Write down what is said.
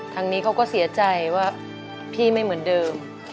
ทางนี้เขาก็เสียใจว่าพี่ไม่เหมือนเดิม